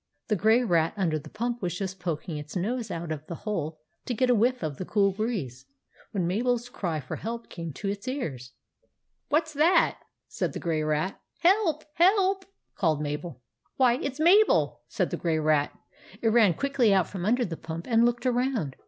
The Grey Rat under the pump was just poking its nose out of the hole to get a whiff of the cool breeze, when Mabel's cry for help came to its ears. " What 's that ?" said the Grey Rat. " Help ! Help !" called Mabel. GREY RAT UNDER THE PUMP in "Why, it's Mabel!" said the Grey Rat. It ran quickly out from under the pump, and looked around.